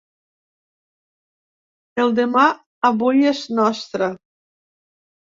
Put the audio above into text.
El demà avui és nostre.